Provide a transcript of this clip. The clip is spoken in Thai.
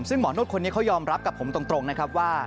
ซึ่งหมอนวดคนนี้เขายอมรับกับผมตรงนะครับว่า